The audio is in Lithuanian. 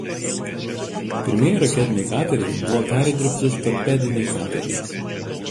Pirmieji raketiniai kateriai buvo perdirbti torpediniai kateriai.